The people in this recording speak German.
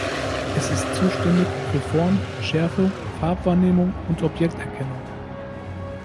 Es ist zuständig für Form-, Schärfe-, Farbwahrnehmung und Objekterkennung.